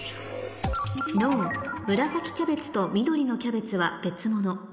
ＮＯ「紫キャベツと緑のキャベツは別物」